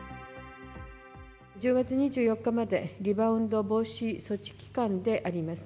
１０月２４日まで、リバウンド防止措置期間であります。